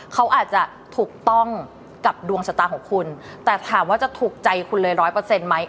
เขาอาจจะถูกต้องกับดวงชะตาของคุณแต่ถามว่าจะถูกใจคุณเลยร้อยเปอร์เซ็นต์ไหม